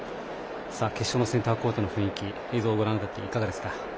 決勝のセンターコートの雰囲気映像をご覧になっていかがですか。